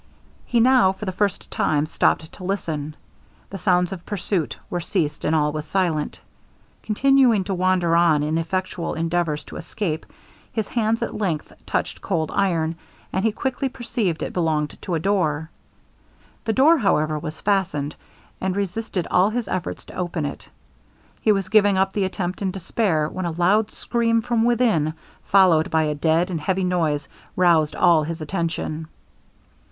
He now for the first time stopped to listen the sounds of pursuit were ceased, and all was silent! Continuing to wander on in effectual endeavours to escape, his hands at length touched cold iron, and he quickly perceived it belonged to a door. The door, however, was fastened, and resisted all his efforts to open it. He was giving up the attempt in despair, when a loud scream from within, followed by a dead and heavy noise, roused all his attention.